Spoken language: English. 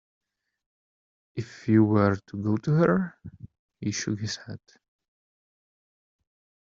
"If you were to go to her;" He shook his head.